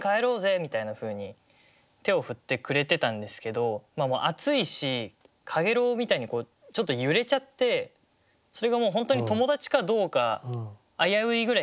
みたいなふうに手を振ってくれてたんですけど暑いし陽炎みたいにちょっと揺れちゃってそれがもう本当に友達かどうか危ういぐらい。